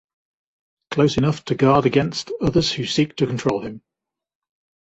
Close enough to guard against others who seek to control him.